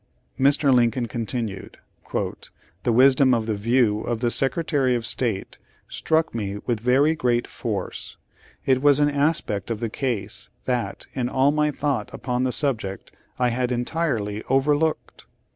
'" Mr. Lincoln continued: "The wisdom of the view of the Secretary of State struck me with very great force. It was an aspect of the case that, in all my thought upon the subject, I had entirely overlooked.